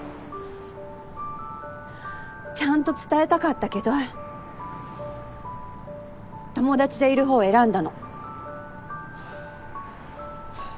ちゃんと伝えたかったけど友達でいる方を選んだの。